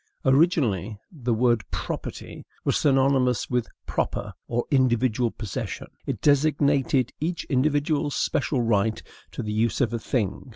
Originally, the word PROPERTY was synonymous with PROPER or INDIVIDUAL POSSESSION. It designated each individual's special right to the use of a thing.